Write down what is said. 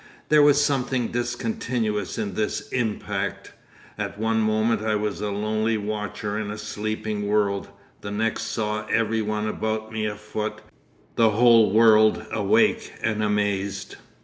'There was something discontinuous in this impact. At one moment I was a lonely watcher in a sleeping world; the next saw every one about me afoot, the whole world awake and amazed....